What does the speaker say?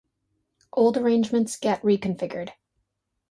Old arrangements get reconfigured.